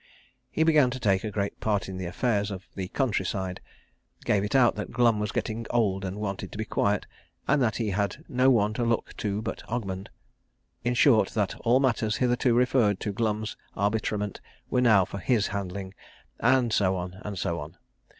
He began to take a great part in the affairs of the country side, gave it out that Glum was getting old and wanted to be quiet, that he had no one to look to but Ogmund, in short that all matters hitherto referred to Glum's arbitrament were now for his handling and so on, and so on.